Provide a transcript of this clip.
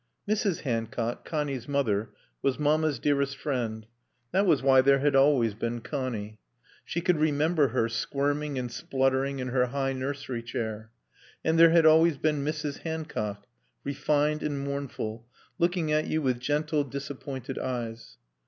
Mrs. Hancock, Connie's mother, was Mamma's dearest friend. That was why there had always been Connie. She could remember her, squirming and spluttering in her high nursery chair. And there had always been Mrs. Hancock, refined and mournful, looking at you with gentle, disappointed eyes.